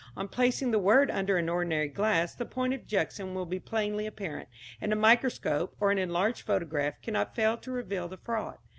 On placing the word under an ordinary glass the point of junction will be plainly apparent, and a microscope, or an enlarged photograph, cannot fail to reveal the fraud.